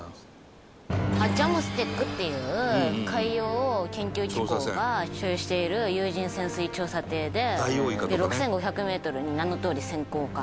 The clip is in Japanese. ＪＡＭＳＴＥＣっていう海洋研究機構が所有している有人潜水調査船で６５００メートルに名のとおり潜航可能。